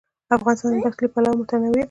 افغانستان د دښتې له پلوه متنوع دی.